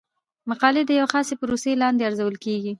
مقالې د یوې خاصې پروسې لاندې ارزول کیږي.